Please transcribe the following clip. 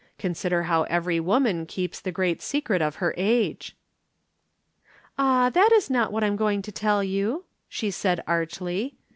"Consider how every woman keeps the great secret of her age." "Ah, that is not what I am going to tell you," she said archly.